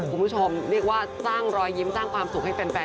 คุณผู้ชมเรียกว่าสร้างรอยยิ้มสร้างความสุขให้แฟน